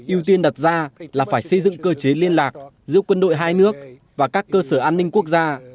yêu tiên đặt ra là phải xây dựng cơ chế liên lạc giữa quân đội hai nước và các cơ sở an ninh quốc gia